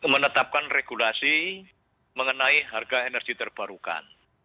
menetapkan regulasi mengenai harga energi terbarukan